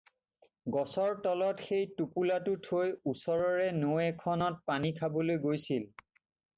গছৰ তলত সেই টোপোলাটো থৈ ওচৰৰে নৈ এখনত পানী খাবলৈ গৈছিল।